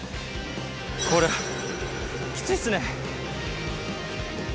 これきついっすね。